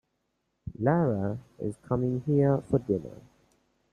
Lara is coming here for dinner.